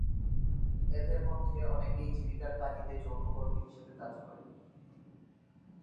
এদের মধ্যে অনেকেই জীবিকার তাগিদে যৌনকর্মী হিসেবে কাজ করে।